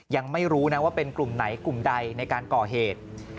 ยังไม่รู้นะว่าเป็นกลุ่มไหนกลุ่มใดในการก่อเหตุ